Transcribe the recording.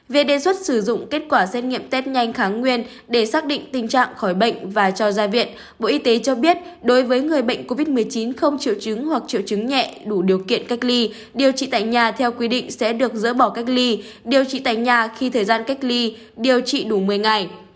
về đề xuất sử dụng kết quả xét nghiệm test nhanh kháng nguyên để xác định tình trạng khỏi bệnh và cho ra viện bộ y tế cho biết đối với người bệnh covid một mươi chín không triệu chứng hoặc triệu chứng nhẹ đủ điều kiện cách ly điều trị tại nhà theo quy định sẽ được dỡ bỏ cách ly điều trị tại nhà khi thời gian cách ly điều trị đủ một mươi ngày